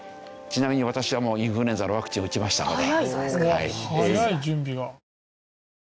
ちなみに私はもうインフルエンザのワクチンを打ちましたから。